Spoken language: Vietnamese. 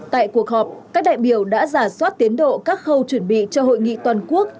tại cuộc họp các đại biểu đã giả soát tiến độ các khâu chuẩn bị cho hội nghị toàn quốc